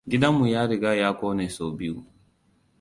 Gidanmu ya riga ya ƙone sau biyu.